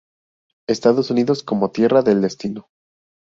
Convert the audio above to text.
Estados Unidos como tierra del destino.